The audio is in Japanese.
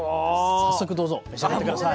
早速どうぞ召し上がって下さい。